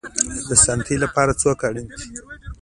د ساتنې لپاره څوک اړین دی؟